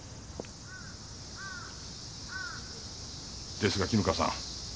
ですが絹香さん